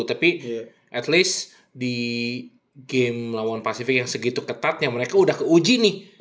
tapi at least di game lawan pasifik yang segitu ketatnya mereka udah keuji nih